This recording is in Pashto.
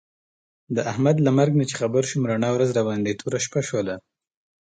د احمد له مرګ نه چې خبر شوم، رڼا ورځ راباندې توره شپه شوله.